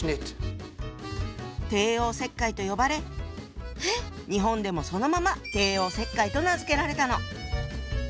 「帝王切開」と呼ばれ日本でもそのまま「帝王切開」と名付けられたの。